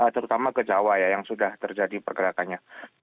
terutama ke jawa ya yang sudah terjadi pergerakannya